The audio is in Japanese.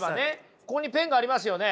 ここにペンがありますよね。